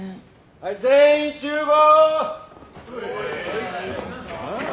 はい全員集合！